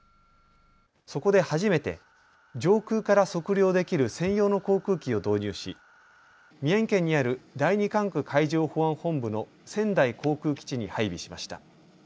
そこで初めて上空から測量できる専用の航空機を導入し宮城県にある第２管区海上保安本部の仙台航空基地に配備しました。